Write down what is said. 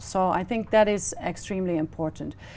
nơi chúng ta thực sự có một cộng đồng công ty